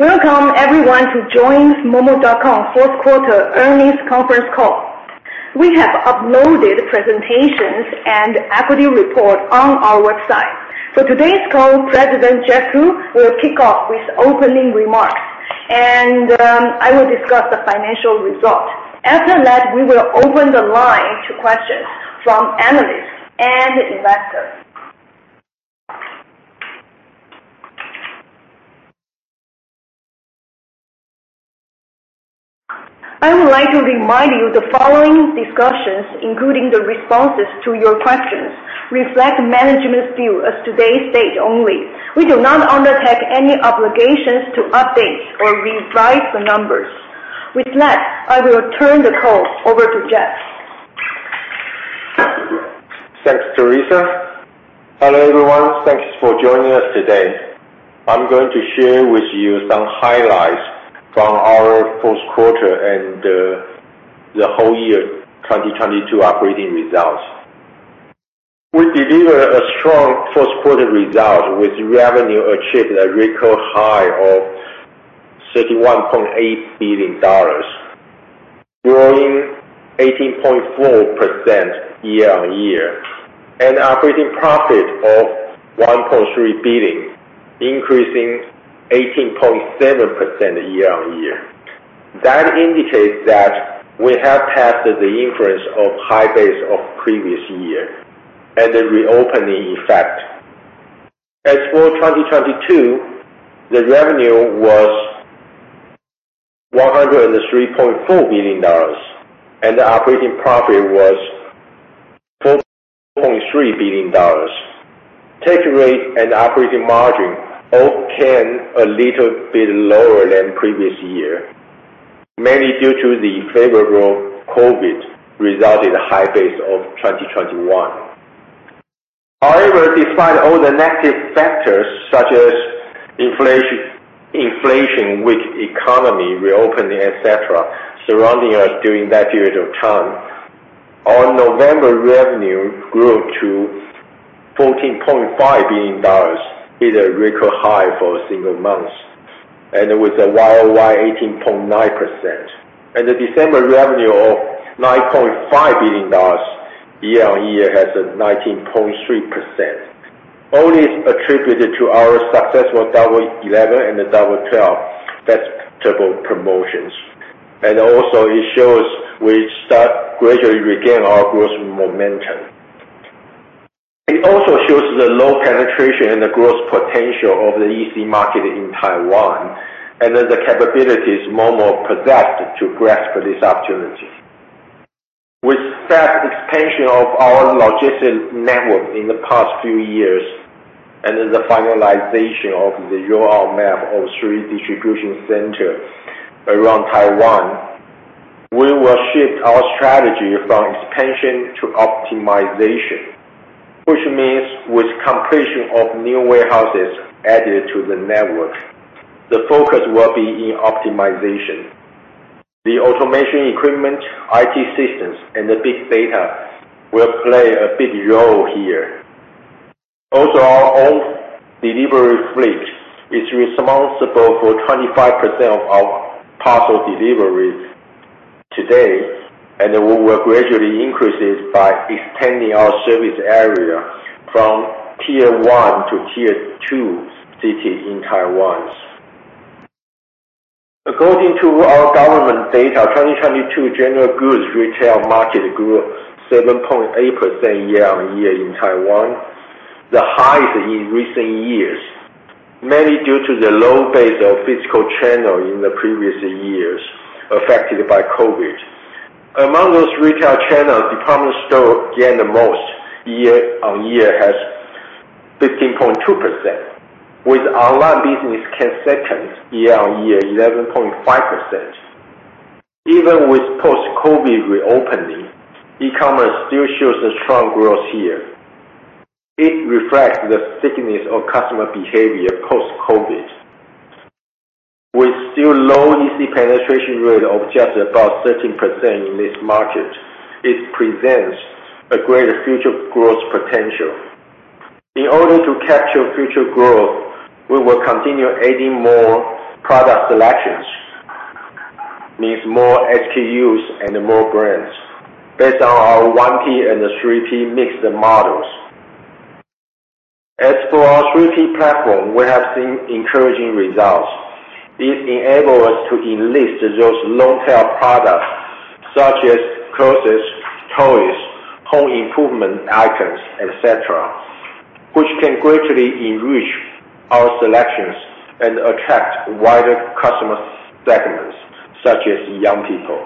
Welcome everyone to join Momo.com 4th quarter earnings conference call. We have uploaded presentations and equity report on our website. For today's call, President Jeff Ku will kick off with opening remarks, I will discuss the financial results. After that, we will open the line to questions from analysts and investors. I would like to remind you the following discussions, including the responses to your questions, reflect management's view as today's date only. We do not undertake any obligations to update or revise the numbers. With that, I will turn the call over to Jeff. Thanks, Teresa. Hello, everyone. Thanks for joining us today. I'm going to share with you some highlights from our fourth quarter and the whole year 2022 operating results. We delivered a strong fourth quarter result with revenue achieved a record high of NT$31.8 billion, growing 18.4% year-on-year. Operating profit of NT$1.3 billion, increasing 18.7% year-on-year. That indicates that we have passed the influence of high base of previous year and the reopening effect. As for 2022, the revenue was NT$103.4 billion, and the operating profit was NT$4.3 billion. Take rate and operating margin both came a little bit lower than previous year, mainly due to the favorable COVID resulted high base of 2021. Despite all the negative factors such as inflation with economy reopening, et cetera, surrounding us during that period of time, our November revenue grew to NT$14.5 billion hit a record high for a single month, and it was a YOY 18.9%. The December revenue of NT$ 9.5 billion year-on-year has a 19.3%. All is attributed to our successful Double Eleven and the Double Twelve festival promotions. Also it shows we start gradually regain our growth momentum. It also shows the low penetration and the growth potential of the EC market in Taiwan and then the capabilities Momo possessed to grasp this opportunity. With fast expansion of our logistics network in the past few years and the finalization of the road map of three distribution centers around Taiwan, we will shift our strategy from expansion to optimization, which means with completion of new warehouses added to the network, the focus will be in optimization. The automation equipment, IT systems, and the big data will play a big role here. Our own delivery fleet is responsible for 25% of our parcel deliveries today, and we will gradually increase it by expanding our service area from tier one to tier two cities in Taiwan. According to our government data, 2022 general goods retail market grew 7.8% year-on-year in Taiwan, the highest in recent years, mainly due to the low base of physical channel in the previous years affected by COVID. Among those retail channels, department store gained the most. Year-on-year has 15.2%, with online business came second, year-on-year 11.5%. Even with post-COVID reopening, E-commerce still shows a strong growth here. It reflects the thickness of customer behavior post-COVID. With still low EC penetration rate of just about 13% in this market, it presents a greater future growth potential. In order to capture future growth, we will continue adding more product selections, means more SKUs and more brands based on our 1P and 3P mixed models. As for our 3P platform, we have seen encouraging results. It enable us to enlist those long tail products such as clothes, toys, home improvement items, et cetera, which can greatly enrich our selections and attract wider customer segments, such as young people.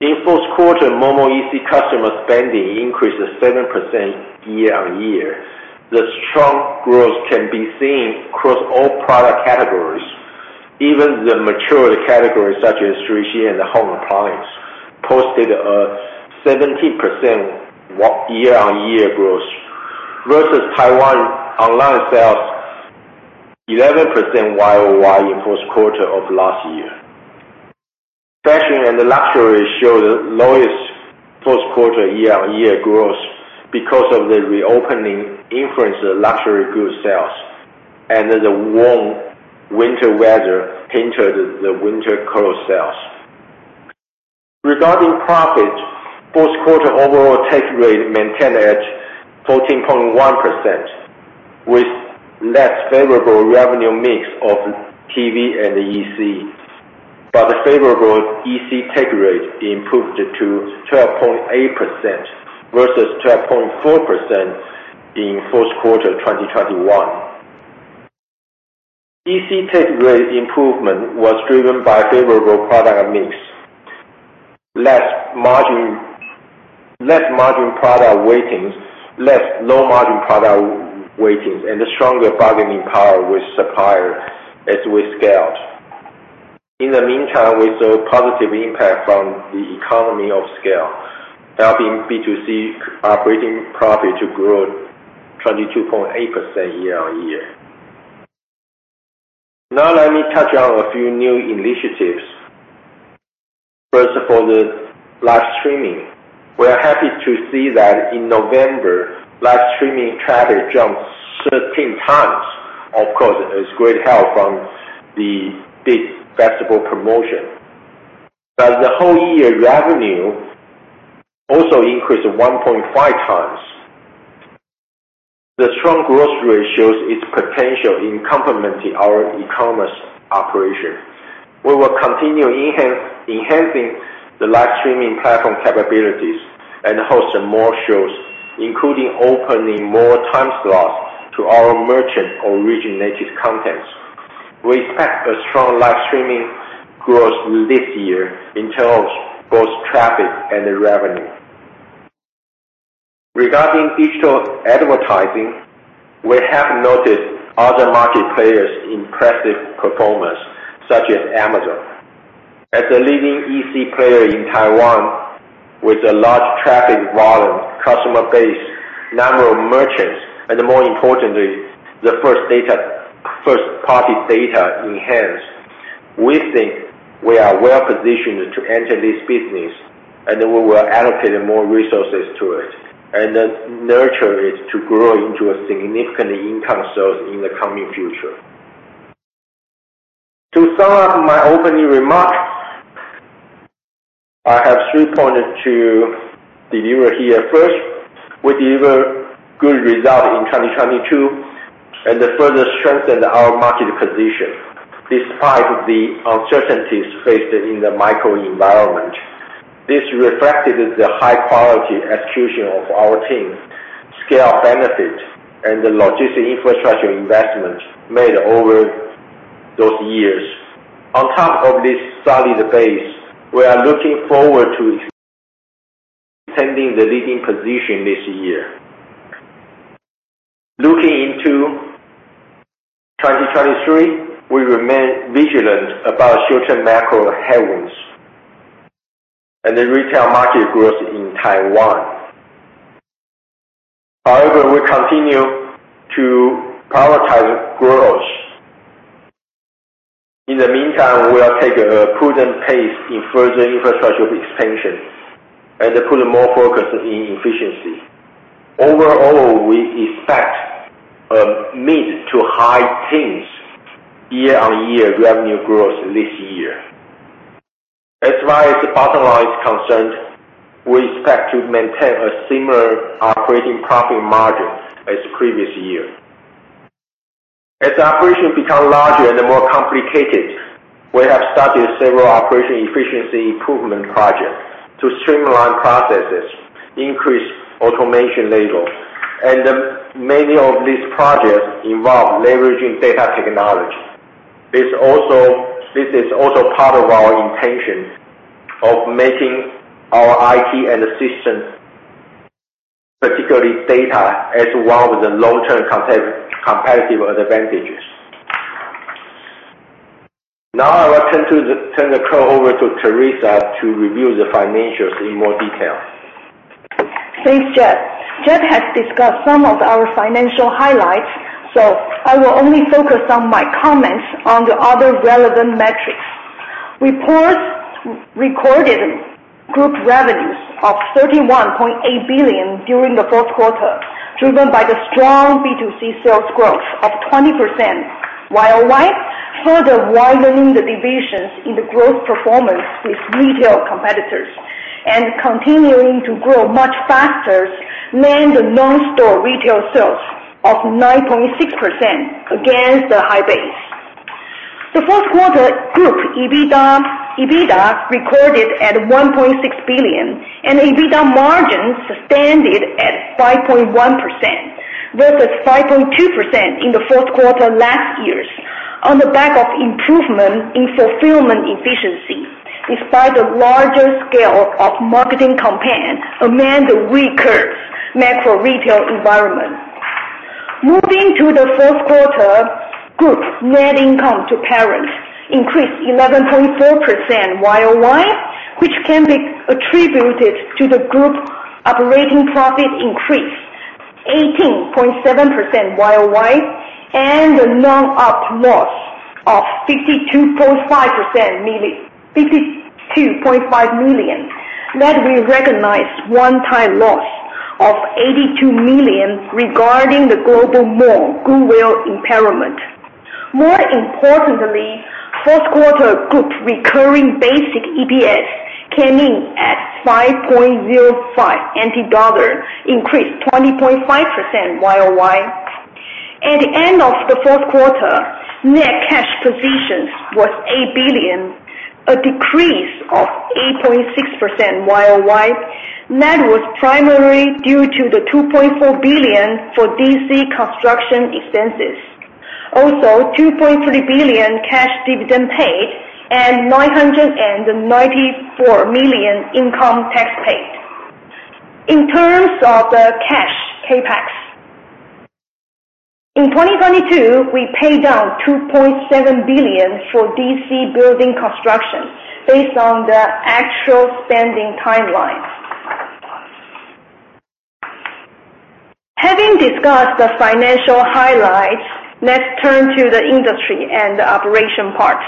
In fourth quarter, Momo EC customer spending increased 7% year-on-year. The strong growth can be seen across all product categories. Even the mature categories such as 3C and home appliance posted a 17% year-on-year growth versus Taiwan online sales 11% YOY in fourth quarter of last year. The luxury showed lowest first quarter year-on-year growth because of the reopening influenced the luxury goods sales, and then the warm winter weather hindered the winter clothes sales. Regarding profit, fourth quarter overall take rate maintained at 14.1%, with less favorable revenue mix of TV and EC. Favorable EC take rate improved to 12.8% versus 12.4% in fourth quarter 2021. EC take rate improvement was driven by favorable product mix, less margin product weightings, less low margin product weightings, and a stronger bargaining power with suppliers as we scaled. In the meantime, we saw positive impact from the economy of scale, helping B2C operating profit to grow 22.8% year-on-year. Now let me touch on a few new initiatives. First of all, the live streaming. We are happy to see that in November, live streaming traffic jumped 13 times. Of course, it has great help from the big festival promotion. The whole year revenue also increased one point five times. The strong growth rate shows its potential in complementing our E-commerce operation. We will continue enhancing the live streaming platform capabilities and hosting more shows, including opening more time slots to our merchant-originated contents. We expect a strong live streaming growth this year in terms of both traffic and revenue. Regarding digital advertising, we have noticed other market players' impressive performance, such as Amazon. As a leading EC player in Taiwan with a large traffic volume, customer base, number of merchants, and more importantly, first party data enhanced, we think we are well-positioned to enter this business and we will allocate more resources to it and then nurture it to grow into a significant income source in the coming future. To sum up my opening remarks, I have three points to deliver here. First, we deliver good result in 2022 and further strengthen our market position despite the uncertainties faced in the microenvironment. This reflected the high-quality execution of our team, scale benefit and the logistic infrastructure investment made over those years. On top of this solid base, we are looking forward to extending the leading position this year. Looking into 2023, we remain vigilant about short-term macro headwinds and the retail market growth in Taiwan. However, we continue to prioritize growth. In the meantime, we are taking a prudent pace in further infrastructure expansion and put more focus in efficiency. Overall, we expect mid to high teens year-on-year revenue growth this year. As far as bottom line is concerned, we expect to maintain a similar operating profit margin as previous year. As operations become larger and more complicated, we have started several operation efficiency improvement projects to streamline processes, increase automation level. Many of these projects involve leveraging data technology. This is also part of our intentions of making our IT and systems, particularly data, as one of the long-term competitive advantages. I will turn the call over to Terrisa to review the financials in more detail. Thanks, Jeff. Jeff has discussed some of our financial highlights, so I will only focus on my comments on the other relevant metrics. We first recorded group revenues of 31.8 billion during the fourth quarter, driven by the strong B2C sales growth of 20% YOY, further widening the divisions in the growth performance with retail competitors and continuing to grow much faster than the non-store retail sales of 9.6% against the high base. The fourth quarter group EBITDA recorded at 1.6 billion, and EBITDA margin sustained at 5.1% versus 5.2% in the fourth quarter last years on the back of improvement in fulfillment efficiency, despite the larger scale of marketing campaign amid the weaker macro retail environment. Moving to the fourth quarter, group net income to parents increased 11.4% YOY, which can be attributed to the group operating profit increase. 18.7% YOY and a non-OP loss of NT$ 52.5 million that we recognize one-time loss of NT$ 82 million regarding the Global Mall goodwill impairment. More importantly, fourth quarter group recurring basic EPS came in at NT$ 5.05, increased 20.5% YOY. At the end of the fourth quarter, net cash positions was NT$ 8 billion, a decrease of 8.6% YOY. That was primarily due to the NT$ 2.4 billion for DC construction expenses. NT$ 2.3 billion cash dividend paid and NT$ 994 million income tax paid. In terms of the cash CapEx. In 2022, we paid down NT$ 2.7 billion for DC building construction based on the actual spending timelines. Having discussed the financial highlights, let's turn to the industry and the operation part.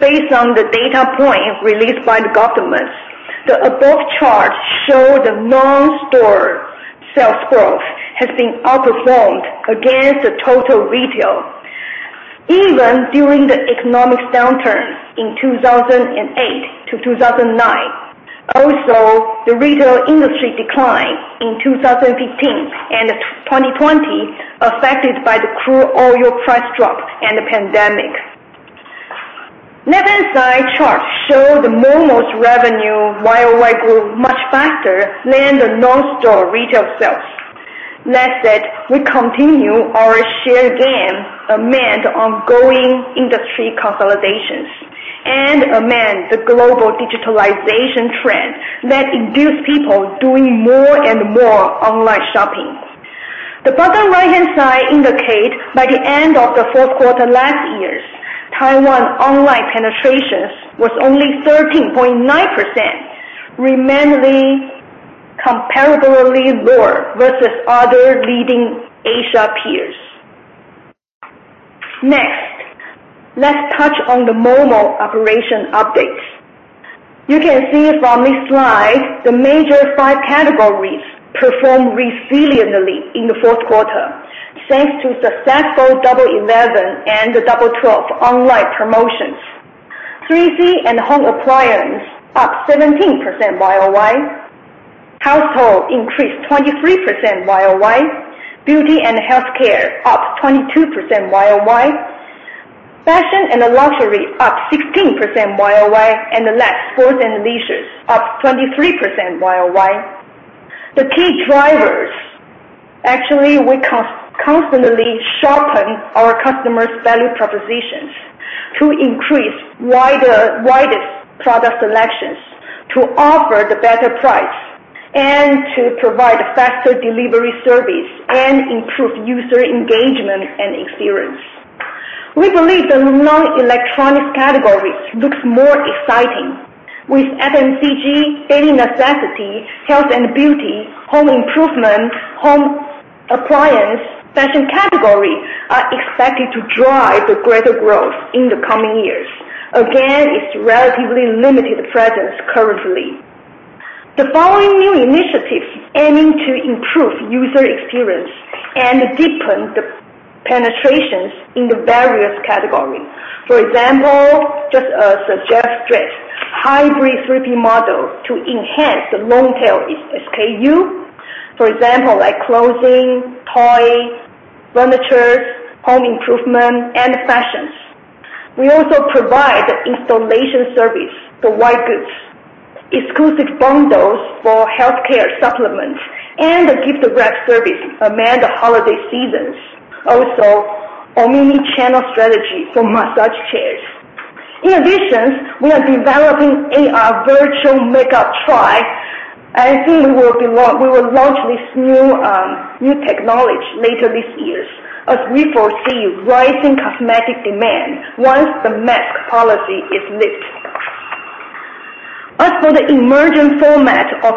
Based on the data point released by the government, the above chart show the non-store sales growth has been outperformed against the total retail, even during the economic downturn in 2008-2009. Also, the retail industry declined in 2015 and 2020, affected by the crude oil price drop and the pandemic. Left-hand side chart show the Momo's revenue YOY grew much faster than the non-store retail sales. That said, we continue our share gain amid ongoing industry consolidations and amid the global digitalization trend that induce people doing more and more online shopping. The bottom right-hand side indicate by the end of the fourth quarter last year's, Taiwan online penetrations was only 13.9%, remaining comparably lower versus other leading Asia peers. Let's touch on the Momo.com operation updates. You can see from this slide the major five categories performed resiliently in the fourth quarter thanks to successful Double Eleven and the Double Twelve online promotions. 3C and home appliance up 17% YOY. Household increased 23% YOY. Beauty and healthcare up 22% YOY. Fashion and luxury up 16% YOY. The last, sports and leisures up 23% YOY. The key drivers, actually, we constantly sharpen our customers' value propositions to increase wider, widest product selections, to offer the better price, and to provide a faster delivery service and improve user engagement and experience. We believe the non-electronics categories looks more exciting with FMCG, daily necessity, health and beauty, home improvement, home appliance, fashion category are expected to drive the greater growth in the coming years. Again, it's relatively limited presence currently. The following new initiatives aiming to improve user experience and deepen the penetrations in the various categories. For example, just suggest fresh hybrid 3P model to enhance the long tail SKU. For example, like clothing, toy, furniture, home improvement and fashions. We also provide installation service for white goods, exclusive bundles for healthcare supplements, and the gift wrap service amid the holiday seasons. Also, omni-channel strategy for massage chairs. In addition, we are developing AR virtual makeup try. I think we will launch this new new technology later this year as we foresee rising cosmetic demand once the mask policy is lifted. As for the emerging format of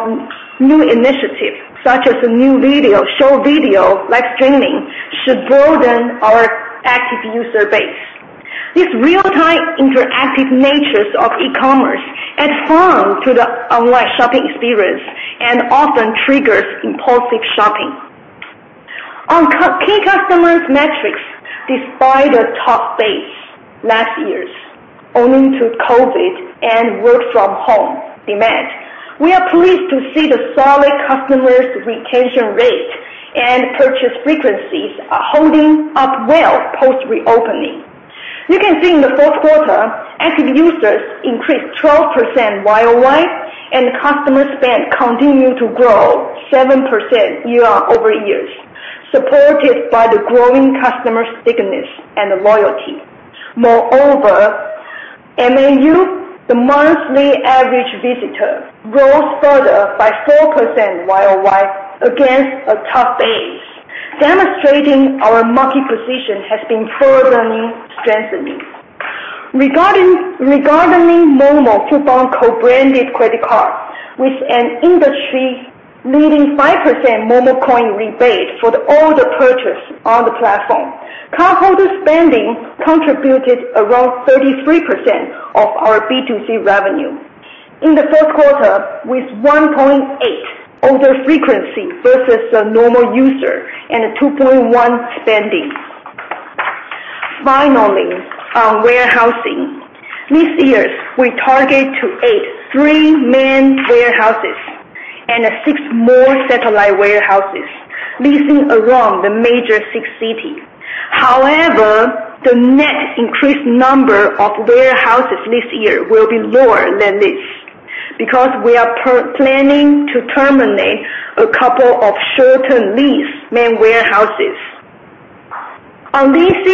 new initiatives such as the new video, show video, live streaming should broaden our active user base. This real-time interactive natures of E-commerce add fun to the online shopping experience and often triggers impulsive shopping. On key customers metrics, despite a tough base last year's owing to COVID and work from home demand, we are pleased to see the solid customers retention rate and purchase frequencies are holding up well post reopening. You can see in the fourth quarter, active users increased 12% YOY and customer spend continued to grow 7% year-over-year, supported by the growing customer stickiness and loyalty. Moreover MAU the Monthly Average Visitor, grows further by 4% YOY against a tough base, demonstrating our market position has been further strengthening. Regarding Momo-foodpanda co-branded credit card with an industry leading 5% Momo Coin rebate for all the purchase on the platform. Cardholder spending contributed around 33% of our B2C revenue. In the fourth quarter, with 1.8 Order frequency versus the normal user and a 2.1 spending. Finally, on warehousing. This year, we target to 83 main warehouses and six more satellite warehouses leasing around the major six cities. However, the net increased number of warehouses this year will be lower than this, because we are planning to terminate a couple of short-term lease main warehouses. On DC,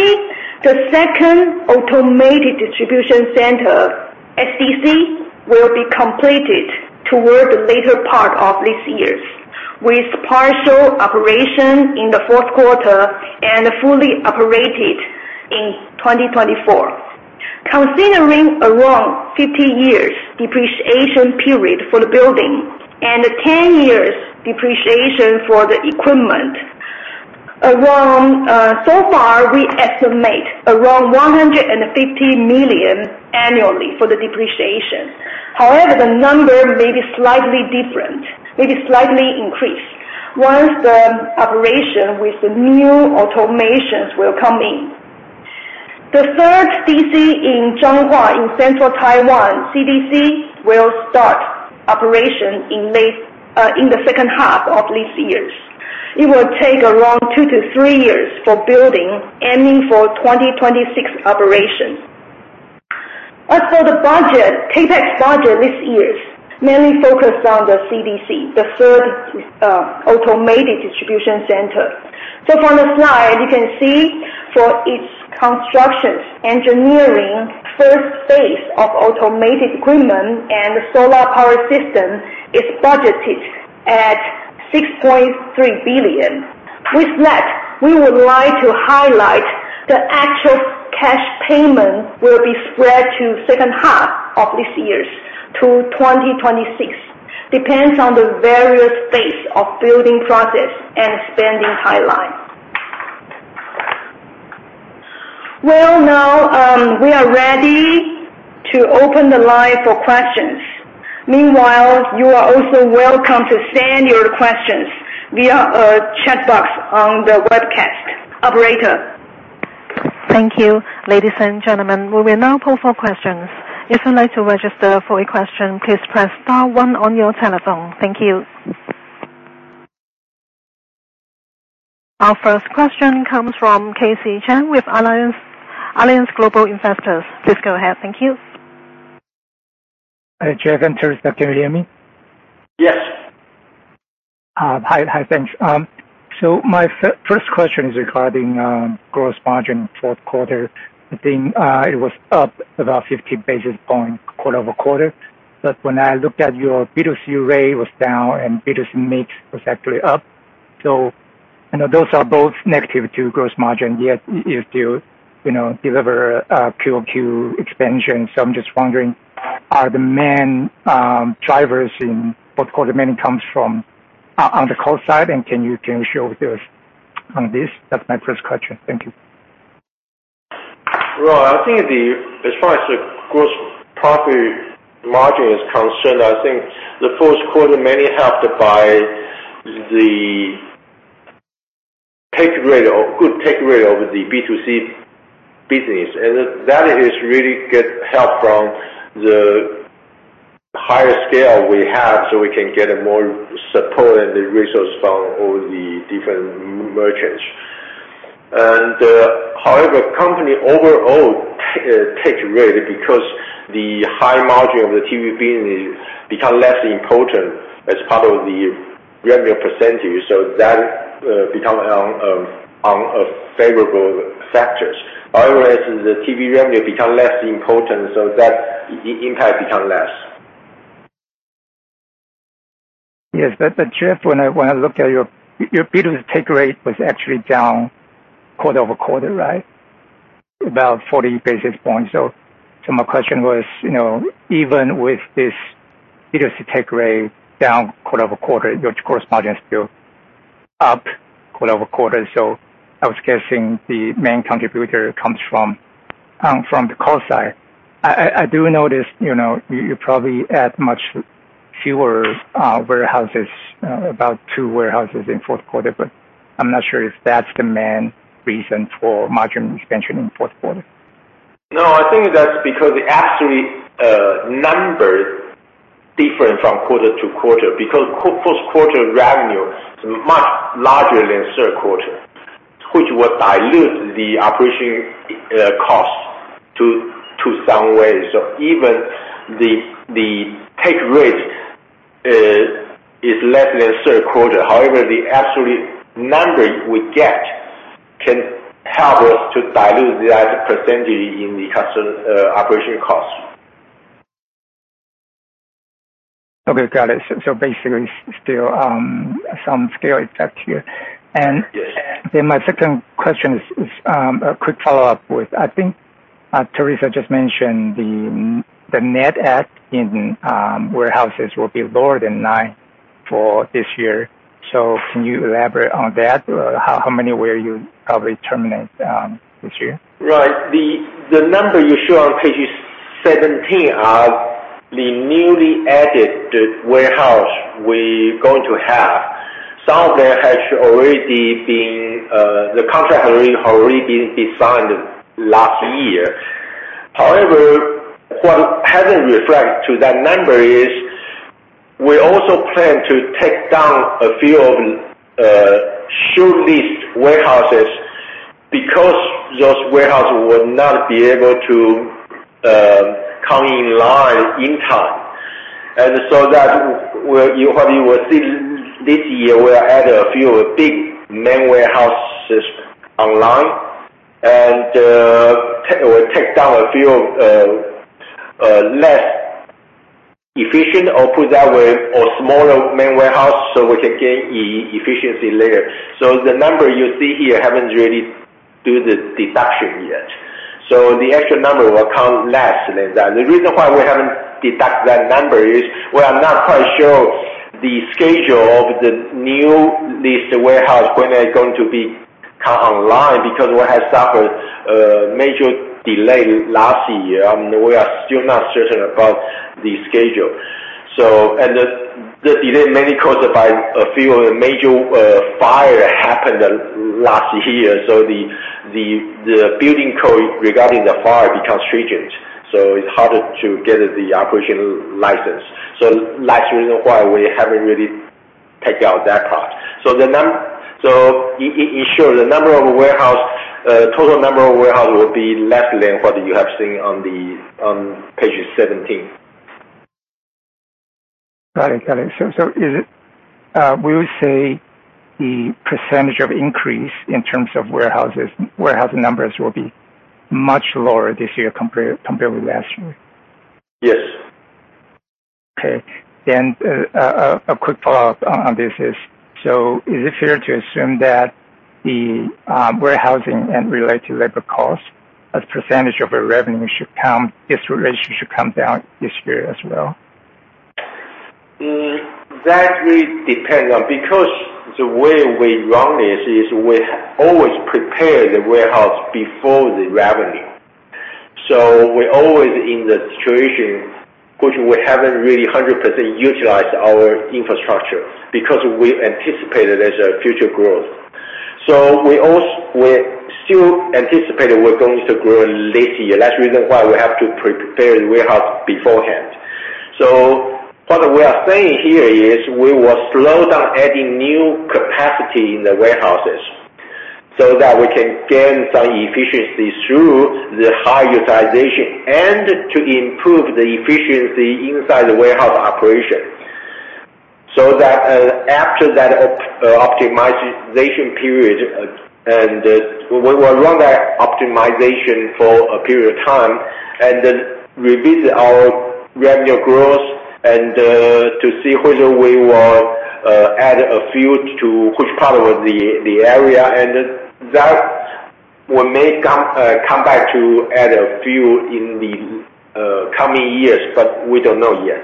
the second automated distribution center, SDC, will be completed toward the later part of this year, with partial operation in the fourth quarter and fully operated in 2024. Considering around 50 years depreciation period for the building and 10 years depreciation for the equipment, around, so far, we estimate around NT$ 150 million annually for the depreciation. However, the number may be slightly different, maybe slightly increased once the operation with the new automations will come in. The third DC in Zhongliao in central Taiwan, CDC, will start operation in late in the second half of this year. It will take around 2-3 years for building, aiming for 2026 operation. As for the budget, CapEx budget this year mainly focused on the CDC, the third automated distribution center. From the slide, you can see for its constructions, engineering, first phase of automated equipment and solar power system is budgeted at NT$6.3 billion. With that, we would like to highlight the actual cash payment will be spread to second half of this year to 2026. Depends on the various phase of building process and spending timeline. Now, we are ready to open the line for questions. Meanwhile, you are also welcome to send your questions via chat box on the webcast. Operator. Thank you. Ladies and gentlemen, we will now pull for questions. If you'd like to register for a question, please press star one on your telephone. Thank you. Our first question comes from Casey Chang with Alliance Global Securities. Please go ahead. Thank you. Hi. Jeff and Terrisa, can you hear me? Yes. Hi. Hi, thanks. My first question is regarding gross margin fourth quarter. I think it was up about 50 basis points quarter-over-quarter. When I looked at your B2C rate was down and B2C mix was actually up. You know, those are both negative to gross margin, yet you still, you know, deliver Q-over-Q expansion. I'm just wondering, are the main drivers in fourth quarter mainly comes from on the cost side? Can you share with us on this? That's my first question. Thank you. Well, I think as far as the gross profit margin is concerned, I think the first quarter mainly helped by the take rate or good take rate over the B2C business. That is really get help from the higher scale we have, so we can get a more support and the resources from all the different merchants. However, company overall take rate because the high margin of the TV business become less important as part of the revenue percentage, so that become unfavorable factors. Otherwise, the TV revenue become less important, so that impact become less. The drift when I looked at your B2C take rate was actually down quarter-over-quarter, right? About 40 basis points. My question was, you know, even with this B2C take rate down quarter-over-quarter, your gross margin is still up quarter-over-quarter. I was guessing the main contributor comes from the cost side. I do notice, you know, you probably add much fewer warehouses, about two warehouses in fourth quarter, I'm not sure if that's the main reason for margin expansion in fourth quarter. I think that's because the actually numbers different from quarter to quarter. First quarter revenue is much larger than third quarter, which will dilute the operation cost to some ways. Even the take rate is less than third quarter. However, the absolute numbers we get can help us to dilute that percentage in the operation cost. Got it. Basically still some scale effect here. My second question is a quick follow-up with, I think, Teresa just mentioned the net add in warehouses will be lower than nine for this year. Can you elaborate on that? How many will you probably terminate this year? Right. The number you show on page 17 are the newly added warehouse we going to have. Some of them has already been, the contract has already been signed last year. What hasn't reflected to that number is we also plan to take down a few of short-leased warehouses because those warehouses will not be able to come in line in time. That, what you will see this year, we'll add a few big main warehouses online and we take down a few less efficient or put that way, or smaller main warehouse so we can gain e-efficiency later. The number you see here haven't really do the deduction yet. The actual number will come less than that. The reason why we haven't deduct that number is we are not quite sure the schedule of the new leased warehouse, when they're going to be come online, because we have suffered a major delay last year, and we are still not certain about the schedule. The delay mainly caused by a few major fire happened last year, so the building code regarding the fire becomes stringent, so it's harder to get the operational license. That's the reason why we haven't really take out that cost. In short, the number of warehouse, total number of warehouse will be less than what you have seen on the, on page 17. Got it. Got it. Is it, we would say the percent of increase in terms of warehouses, warehouse numbers will be much lower this year compared with last year? Yes. A quick follow-up on this is it fair to assume that the warehousing and related labor costs as percent of our revenue this relationship should come down this year as well? That will depend on, because the way we run this is we always prepare the warehouse before the revenue. We're always in the situation which we haven't really 100% utilized our infrastructure because we anticipated there's a future growth. We still anticipated we're going to grow this year. That's the reason why we have to prepare the warehouse beforehand. What we are saying here is we will slow down adding new capacity in the warehouses so that we can gain some efficiency through the high utilization and to improve the efficiency inside the warehouse operation. That after that optimization period, and we run that optimization for a period of time and then revisit our revenue growth and to see whether we will add a few to which part of the area, and that we may come back to add a few in the coming years, but we don't know yet.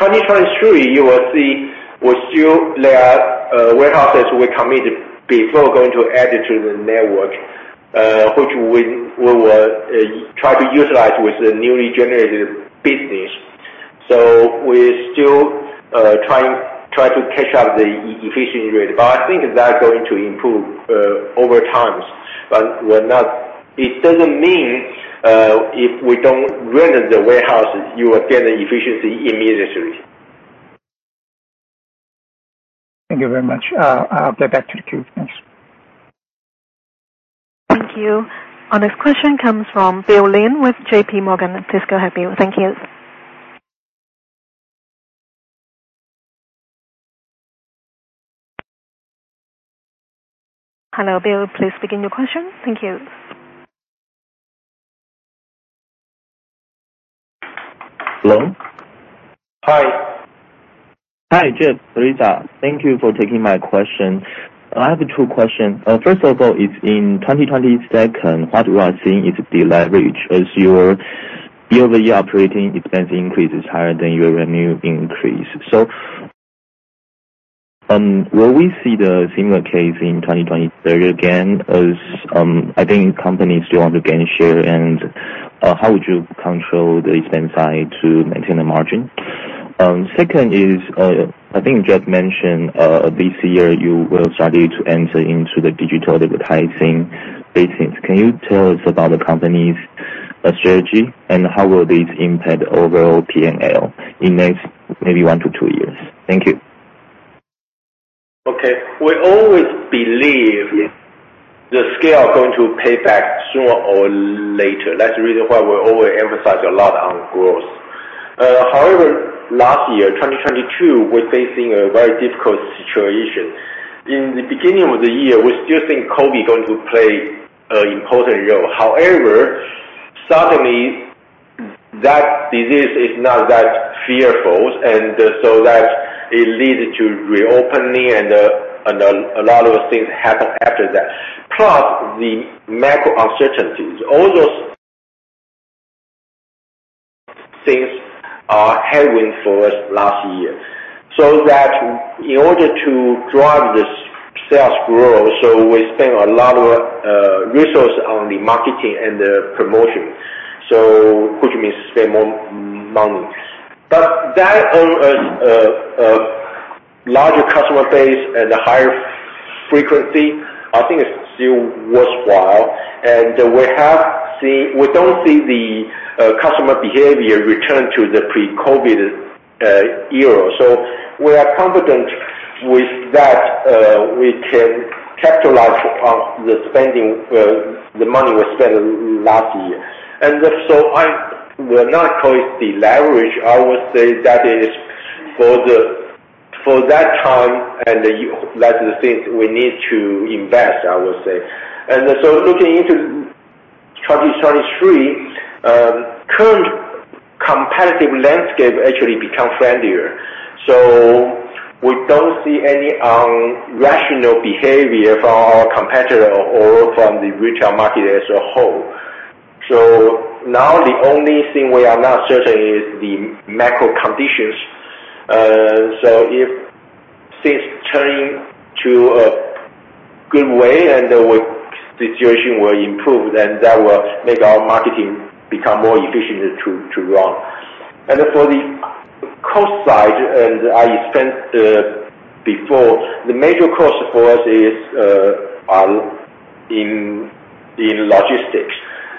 2023, you will see we still lay out warehouses we committed before going to add it to the network, which we will try to utilize with the newly generated business. We're still try to catch up the e-efficiency rate. I think that's going to improve over time. We're not. It doesn't mean if we don't render the warehouse, you will get the efficiency immediately. Thank you very much. I'll get back to the queue. Thanks. Thank you. Our next question comes from Bill Lin with JPMorgan. Please go ahead, Bill. Thank you. Hello, Bill. Please begin your question. Thank you. Hello? Hi. Hi, Jeff, Terrisa. Thank you for taking my question. I have two questions. First of all, in 2022, what we are seeing is the leverage as your year-over-year OpEx increase is higher than your revenue increase. Will we see the similar case in 2023 again as I think companies still want to gain share, how would you control the expense side to maintain the margin? Second is, I think Jeff mentioned this year you will study to enter into the digital advertising business. Can you tell us about the company's strategy, and how will this impact overall PNL in next maybe one to two years? Thank you. Okay. We always believe the scale going to pay back sooner or later. That's the reason why we always emphasize a lot on growth. Last year, 2022, we're facing a very difficult situation. In the beginning of the year, we still think COVID going to play an important role. Suddenly that disease is not that fearful, and so that it leads to reopening and a lot of things happened after that. Plus the macro uncertainties, all those things are heading for us last year, so that in order to drive the sales growth, we spend a lot of resource on the marketing and the promotion. Which means spend more money. That is larger customer base and a higher frequency, I think it's still worthwhile. We have seen... We don't see the customer behavior return to the pre-COVID era. We are confident with that, we can capitalize on the spending the money we spent last year. I will not call it deleverage. I would say that is for the, for that time and like I said, we need to invest, I would say. Looking into 2023, current competitive landscape actually become friendlier. We don't see any rational behavior from our competitor or from the retail market as a whole. Now the only thing we are not certain is the macro conditions. If things turning to a good way and the world situation will improve, then that will make our marketing become more efficient to run. For the cost side, as I explained before, the major cost for us is in logistics.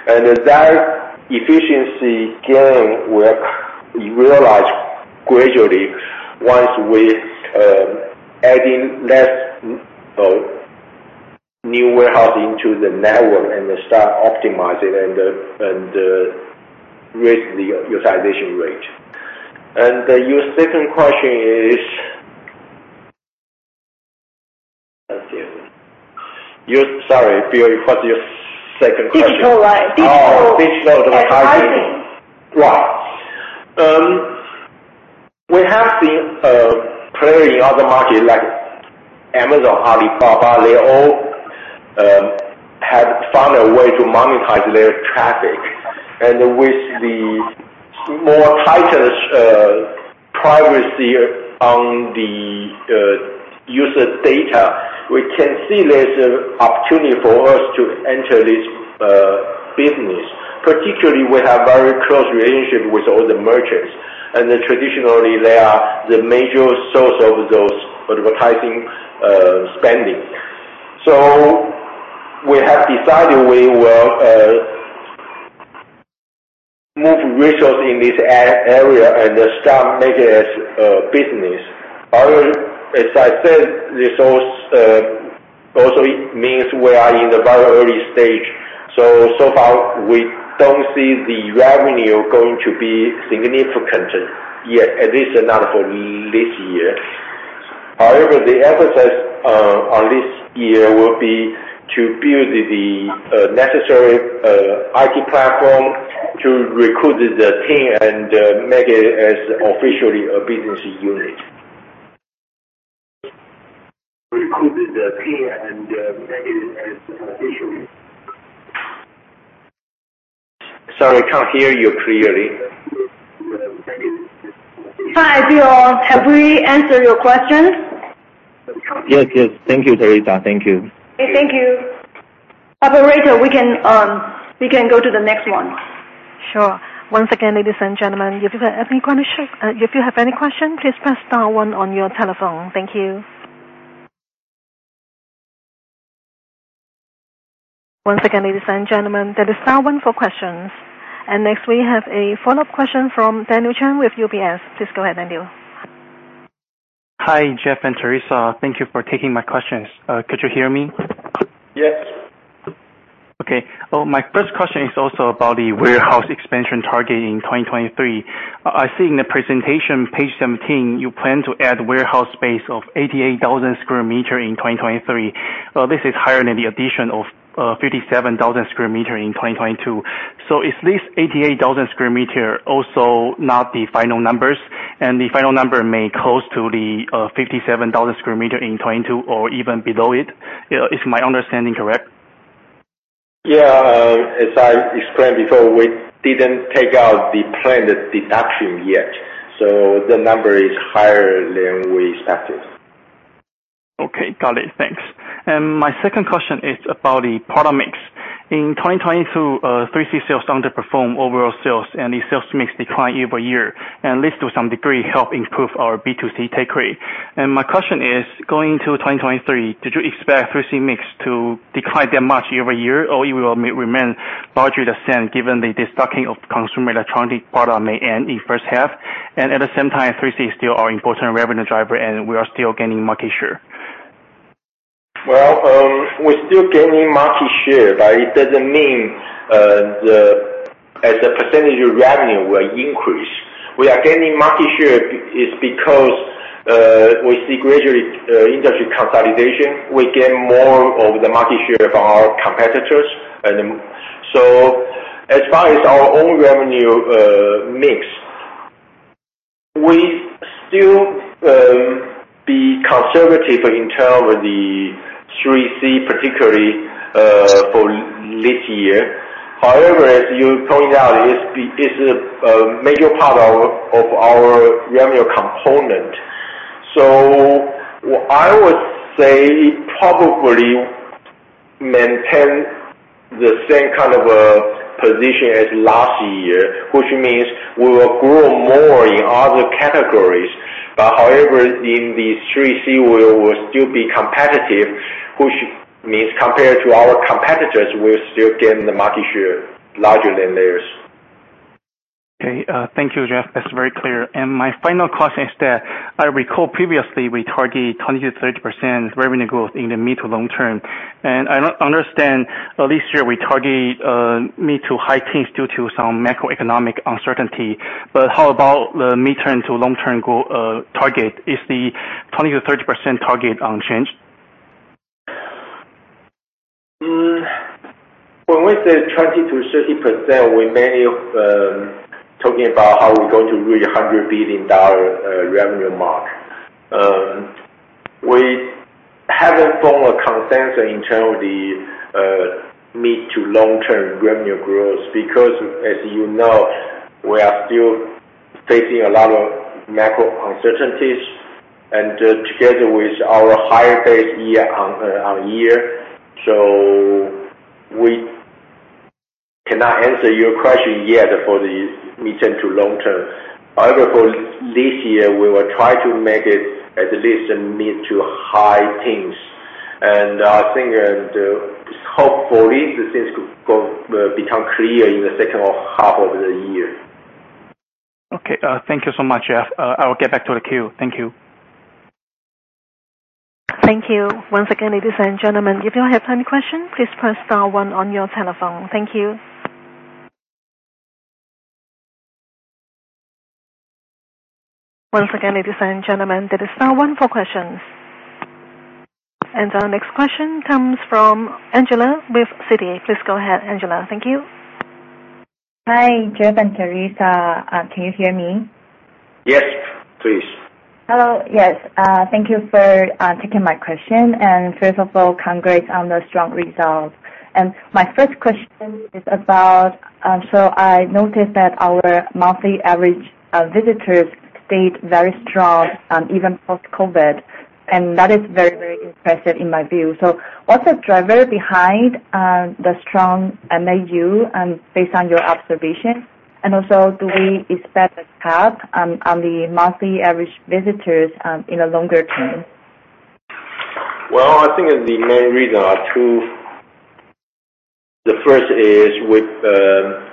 That efficiency gain will realize gradually once we start adding less new warehouse into the network and start optimizing and raise the utilization rate. Your second question is? Sorry, Bill, what's your second question? Digital, right. Oh. Digital. Digital advertising. Advertising. Right. We have seen player in other market like Amazon, Alibaba, they all have found a way to monetize their traffic. With the more tighter privacy on the user's data, we can see there's an opportunity for us to enter this business. Particularly we have very close relationship with all the merchants, and then traditionally they are the major source of those advertising spending. We have decided we will move resource in this area and start making it as a business. As I said, this also means we are in the very early stage. So far we don't see the revenue going to be significant yet, at least not for this year. However, the emphasis on this year will be to build the necessary IT platform to recruit the team and make it as officially a business unit. Sorry, can't hear you clearly. Hi, Bill. Have we answered your question? Yes. Yes. Thank you, Terrisa. Thank you. Thank you. Operator, we can, we can go to the next one. Sure. Once again, ladies and gentlemen, if you have any question, please press star one on your telephone. Thank you. Once again, ladies and gentlemen, that is star one for questions. Next we have a follow-up question from Daniel Chang with UBS. Please go ahead, Daniel. Hi, Jeff and Teresa. Thank you for taking my questions. Could you hear me? Yes. My first question is also about the warehouse expansion target in 2023. I see in the presentation page 17, you plan to add warehouse space of 88,000 square meter in 2023. This is higher than the addition of 57,000 square meter in 2022. Is this 88,000 square meter also not the final numbers and the final number may close to the 57,000 square meter in 2022 or even below it? Is my understanding correct? Yeah. As I explained before, we didn't take out the planned deduction yet, so the number is higher than we expected. Okay. Got it. Thanks. My second question is about the product mix. In 2022, 3C sales underperform overall sales. The sales mix decline year-over-year. This to some degree help improve our B2C take rate. My question is, going into 2023, did you expect 3C mix to decline that much year-over-year or it will remain largely the same given the destocking of consumer electronic product may end in first half, at the same time, 3C still our important revenue driver and we are still gaining market share? We're still gaining market share, but it doesn't mean As a percentage of revenue will increase. We are gaining market share is because we see gradually industry consolidation. We gain more of the market share from our competitors. As far as our own revenue mix, we still be conservative in term of the 3C, particularly for this year. However, as you pointed out, it's a major part of our revenue component. I would say probably maintain the same kind of a position as last year, which means we will grow more in other categories. However, in the 3C we will still be competitive, which means compared to our competitors, we're still getting the market share larger than theirs. Okay. Thank you, Jeff. That's very clear. My final question is that I recall previously we target 20%-30% revenue growth in the mid to long term, I don't understand. At least here we target mid to high teens due to some macroeconomic uncertainty. How about the midterm to long-term target? Is the 20%-30% target unchanged? When we say 20%-30%, we mainly talking about how we're going to reach a NT$100 billion revenue mark. We haven't formed a consensus in terms of the mid to long-term revenue growth because as you know, we are still facing a lot of macro uncertainties and together with our higher base year-on-year. We cannot answer your question yet for the midterm to long term. However, for this year, we will try to make it at least mid to high teens. I think and hopefully things could go become clear in the second half of the year. Okay. Thank you so much, Jeff. I will get back to the queue. Thank you. Thank you. Once again, ladies and gentlemen, if you have any questions, please press star one on your telephone. Thank you. Once again, ladies and gentlemen, that is star one for questions. Our next question comes from Angela with Citi. Please go ahead, Angela. Thank you. Hi, Jeff and Teresa. Can you hear me? Yes, please. Hello. Yes. Thank you for taking my question. First of all, congrats on the strong results. My first question is about. I noticed that our monthly average visitors stayed very strong even post-COVID, and that is very, very impressive in my view. What's the driver behind the strong MAU based on your observation? Also, do we expect a cap on the monthly average visitors in the longer term? Well, I think the main reason are two. The first is with,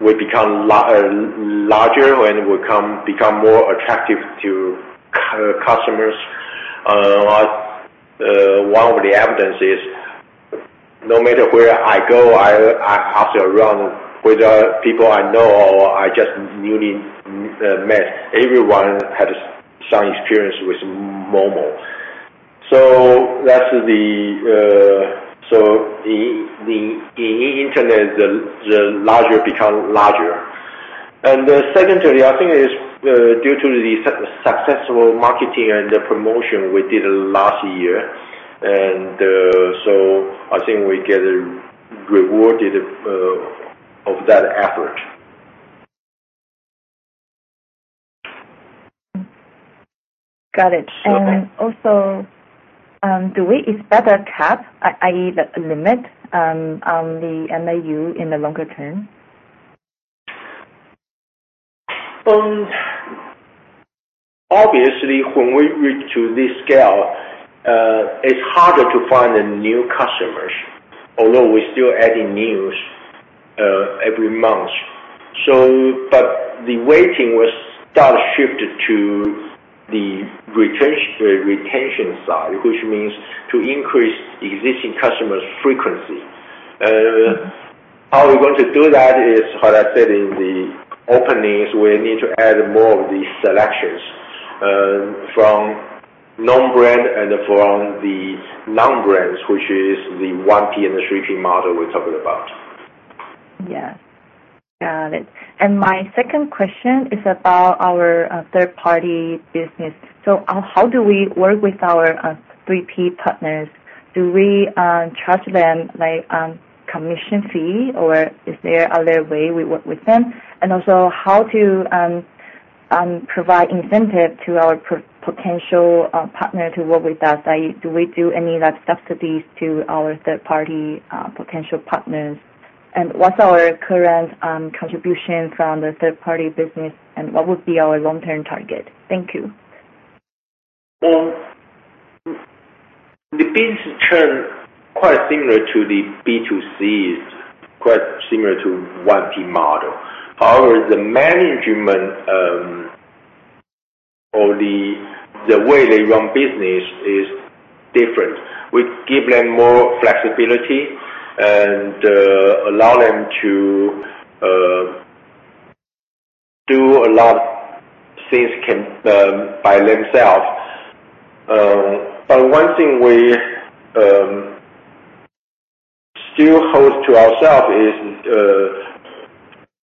we become larger and we become more attractive to customers. like, one of the evidence is no matter where I go, I have to run with people I know or I just newly met, everyone has some experience with Momo. that's the in internet, the larger become larger. Secondly, I think it's due to the successful marketing and the promotion we did last year. I think we get rewarded of that effort. Got it. Okay. Also, do we expect a cap, i.e. the limit, on the MAU in the longer term? Obviously when we reach to this scale, it's harder to find the new customers, although we're still adding news every month. The weighting was start shifted to the retention side, which means to increase existing customers' frequency. How we're going to do that is, what I said in the openings, we need to add more of the selections, from known brand and from the non-brands, which is the 1P and the 3P model we talked about. Yeah. Got it. My second question is about our third-party business. How do we work with our 3P partners? Do we charge them like commission fee or is there other way we work with them? Also how to provide incentive to our potential partner to work with us? i.e. do we do any like subsidies to our third-party potential partners? What's our current contribution from the third-party business and what would be our long-term target? Thank you. The business term, quite similar to the B2C, is quite similar to 1P model. The management, the way they run business is different. We give them more flexibility and allow them to do a lot since can by themselves. One thing we still hold to ourself is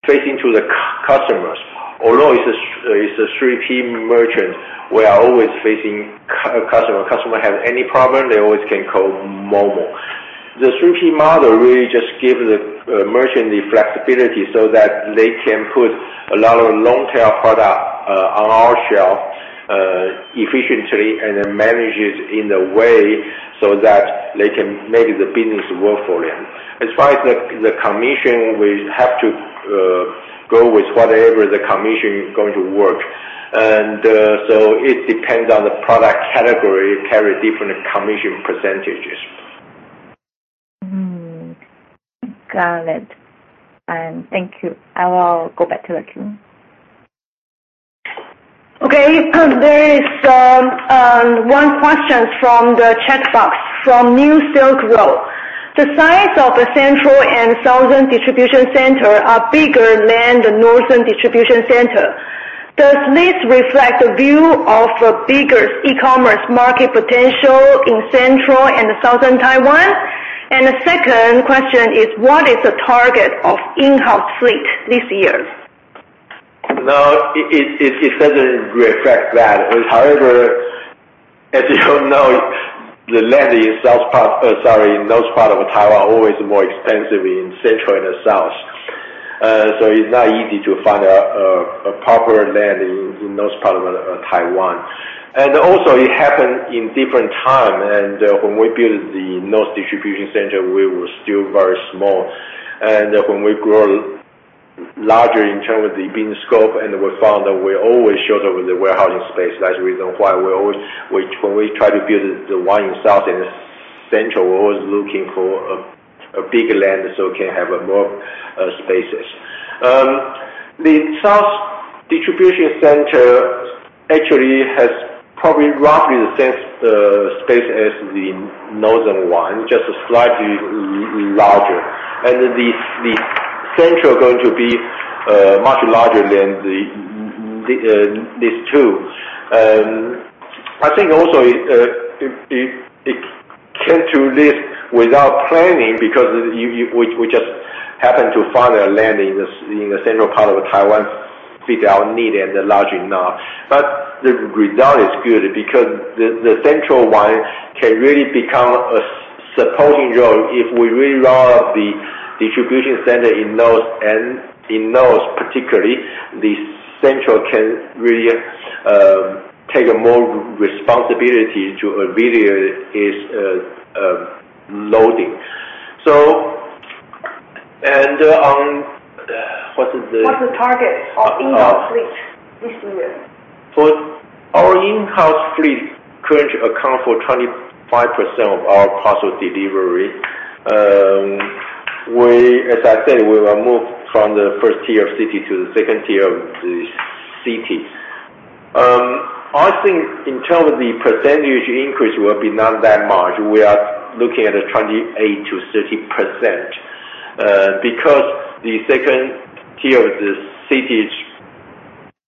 facing to the customers. Although it's a 3P merchant, we are always facing customer. Customer have any problem, they always can call Mobile. The three-team model really just give the merchant the flexibility so that they can put a lot of long-term product on our shelf efficiently and then manage it in a way so that they can make the business work for them. As far as the commission, we have to go with whatever the commission is going to work. It depends on the product category, carry different commission percentages. Mm-hmm. Got it. Thank you. I will go back to the queue. Okay. There is one question from the chat box from New Silk Road. The size of the central and southern distribution center are bigger than the northern distribution center. Does this reflect the view of a bigger E-commerce market potential in central and southern Taiwan? The second question is, what is the target of in-house fleet this year? No, it doesn't reflect that. However, as you know, the land in north part of Taiwan always more expensive in central and the south. So it's not easy to find a proper land in north part of Taiwan. Also it happened in different time. When we built the North Distribution Center, we were still very small. When we grow larger in terms of the business scope, and we found that we're always short of the warehousing space. That's the reason why we always when we try to build the one in south and central, we're always looking for a bigger land, so we can have more spaces. The South Distribution Center actually has probably roughly the same space as the Northern one, just slightly larger. The central going to be much larger than the these two. I think also it came to this without planning because you we just happened to find a land in the central part of Taiwan fit our need and large enough. The result is good because the central one can really become a supporting role if we really roll out the distribution center in north and... in north particularly, the central can really take more responsibility to alleviate its loading. What is the-. What's the target of in-house fleet this year? For our in-house fleet currently account for 25% of our parcel delivery. As I said, we were moved from the first tier city to the second tier of the cities. I think in terms of the percentage increase will be not that much. We are looking at a 28%-30% because the second tier of the cities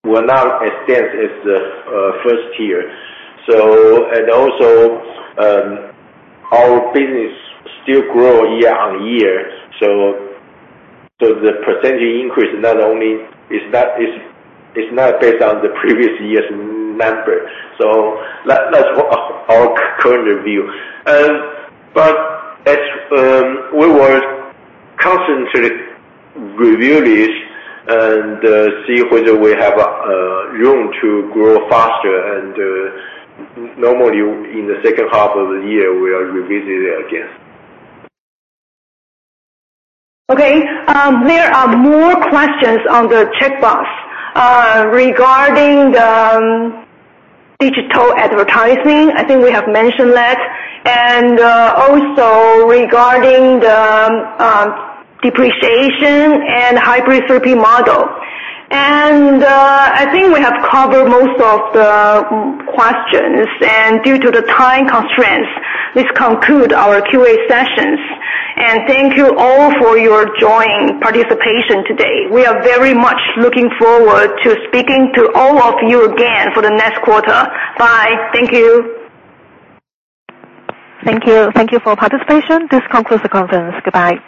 were not as dense as the first tier. And also, our business still grow year-on-year. The percentage increase not only is not, is not based on the previous year's number. That's our current view. As we will constantly review this and see whether we have room to grow faster. Normally in the second half of the year, we are revisiting it again. Okay. There are more questions on the chat box regarding the digital advertising. I think we have mentioned that. Also regarding the depreciation and hybrid therapy model. I think we have covered most of the questions. Due to the time constraints, this conclude our QA sessions. Thank you all for your join participation today. We are very much looking forward to speaking to all of you again for the next quarter. Bye. Thank you. Thank you. Thank you for participation. This concludes the conference. Goodbye.